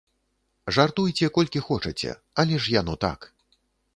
Жартуйце колькі хочаце, але ж яно так.